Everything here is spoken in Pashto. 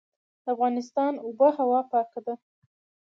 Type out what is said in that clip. د افغانستان اوبه هوا پاکه ده